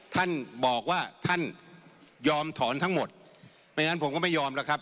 ท่านบอกว่าท่านยอมถอนทั้งหมดไม่งั้นผมก็ไม่ยอมแล้วครับ